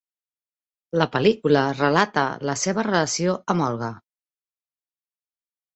La pel·lícula relata la seva relació amb Olga.